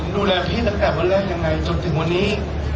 ดูแลพี่ตั้งแต่วันแรกยังไงจนถึงวันนี้